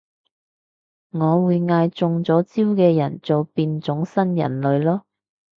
我會嗌中咗招嘅人做變種新人類囉